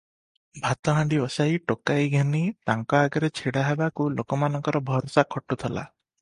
ଭାତ ହାଣ୍ତି ବସାଇ ଟୋକାଇ ଘେନି ତାଙ୍କ ଆଗରେ ଛିଡ଼ାହେବାକୁ ଲୋକମାନଙ୍କର ଭରସା ଖଟୁଥିଲା ।